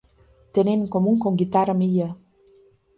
Tienen en común con ¡Guitarra mía!